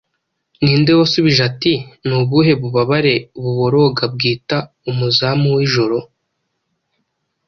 Ninde wasubije ati: 'Ni ubuhe bubabare buboroga bwita umuzamu w'ijoro?